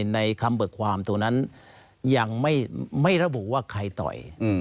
ในคำเบิกความตรงนั้นยังไม่ระบุว่าใครต่อย